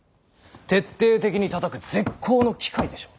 徹底的にたたく絶好の機会でしょう。